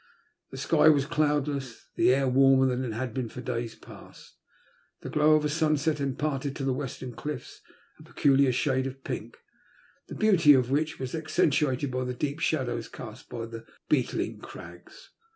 The sky was cloudless, the air warmer than it had been for days past. The glow of sunset im parted to the western cliffs a peculiar shade of pink, the beauty of which was accentuated by the deep shadows cast by the beotling crags.